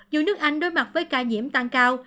dù nước anh đối mặt với ca nhiễm tăng cao